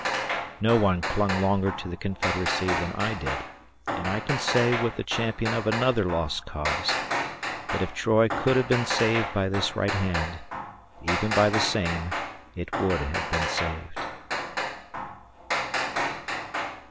No one clung longer to the Confederacy than I did, and I can say with the champion of another lost cause that if Troy could have been saved by this right hand even by the same it would have been saved.